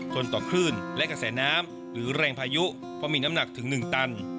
ทนต่อคลื่นและกระแสน้ำหรือแรงพายุเพราะมีน้ำหนักถึง๑ตัน